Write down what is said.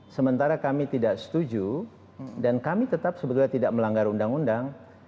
sementara kami tidak setuju dan kami tetap sebetulnya tidak melanggar undang undang